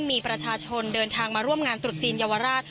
มีประชาชนเดินทางมาร่วมงานตรุษจีนเยาวราช